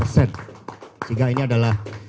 sehingga ini adalah